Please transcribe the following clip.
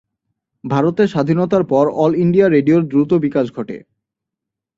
ভারতের স্বাধীনতার পর অল ইন্ডিয়া রেডিও’র দ্রুত বিকাশ ঘটে।